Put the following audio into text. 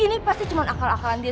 ini pasti cuma akal akalan dia